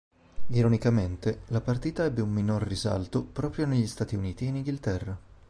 Ironicamente, la partita ebbe un minor risalto proprio negli Stati Uniti e in Inghilterra.